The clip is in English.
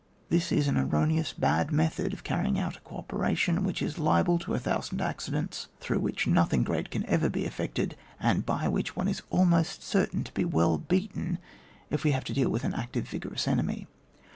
This is an erroneous bad method of canying out a co operation, which is liable to a thousand accidents, through which nothing great can ever be effected, and by which one is almost certain to be well beaten if we have to deal with an active, vigorous enemy.